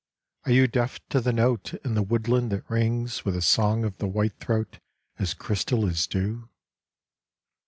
Are you deaf to the note In the woodland that rings With the song of the whitethroat, As crystal as dew?